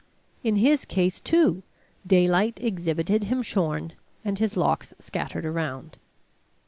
In his case, too, daylight exhibited him shorn, and his locks scattered around.